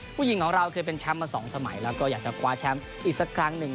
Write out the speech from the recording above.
ผู้หญิงของเราเคยเป็นแชมป์มา๒สมัยแล้วก็อยากจะคว้าแชมป์อีกสักครั้งหนึ่ง